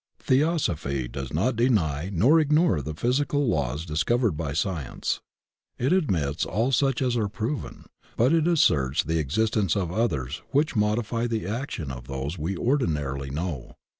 Theosophy does not deny nor ignore the physical laws discovered by science. It admits all such as are THE OCCULT COSMOS BEHIND ALL 145 proven, but it asserts the existence of others which modify the action of those we ordinarily know.